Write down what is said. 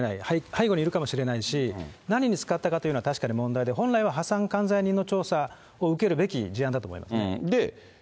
背後にいるかもしれないし、何に使ったのかというのは確かに問題で、本来は破産管財人の調査を受けるべき事案だと思いますね。